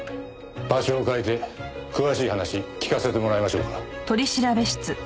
場所を変えて詳しい話聞かせてもらいましょうか。